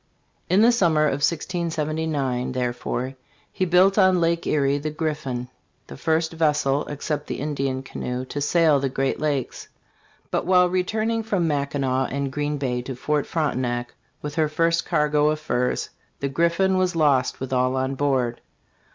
In the summer of 1679, therefore, he built on Lake Erie the Griffin, the first vessel, except the Indian's canoe, to sail the great lakes ; but while re turning from Mackinac and Green Bay to Fort Frontenac with her first cargo of furs, the Griffin was lost with all on board.